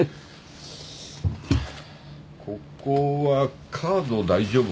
ここはカード大丈夫？